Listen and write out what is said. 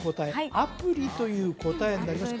「アプリ」という答えになりました